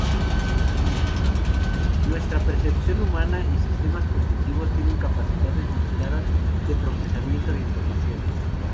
Nuestra percepción humana y sistemas cognitivos tienen capacidades limitadas de procesamiento de información.